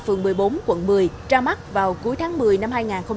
phường một mươi bốn quận một mươi ra mắt vào cuối tháng một mươi năm hai nghìn hai mươi ba